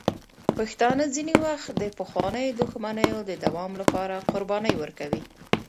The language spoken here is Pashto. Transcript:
پښتانه ځینې وخت د پخوانیو دښمنیو د دوام لپاره قربانۍ ورکوي.